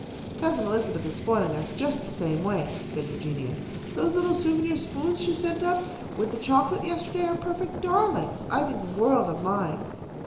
"Cousin Elizabeth is spoiling us just the same way," said Eugenia. "Those little souvenir spoons she sent up with the chocolate yesterday are perfect darlings. I think the world of mine."